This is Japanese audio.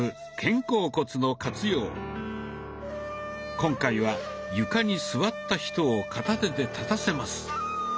今回は床に座った人を片手で立たせます。